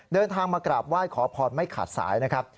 เดินทางมากราบไหว้ขอพรไม่ขาดสายนะครับ